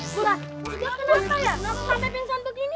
kenapa pingsan begini